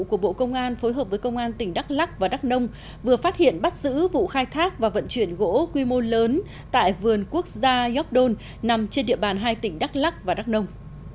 công an tỉnh đắk lắc và đắk nông vừa phát hiện bắt giữ vụ khai thác và vận chuyển gỗ quy mô lớn tại vườn quốc gia gióc đôn nằm trên địa bàn hai tỉnh đắk lắc và đắk nông